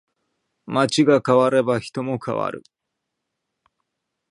街が変われば人も変わる